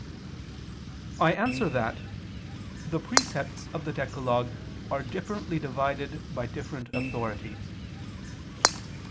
I answer that, The precepts of the decalogue are differently divided by different authorities.